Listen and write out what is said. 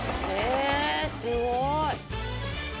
えすごい。